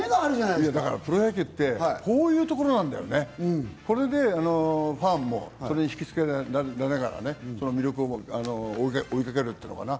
プロ野球ってこういうところなんだよね、これでファンも引きつけられながら魅力を追いかけるというのかな。